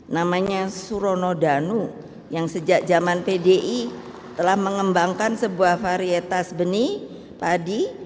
namanya surono danu yang sejak zaman pdi telah mengembangkan sebuah varietas benih padi